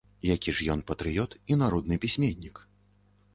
Які ж ён патрыёт і народны пісьменнік.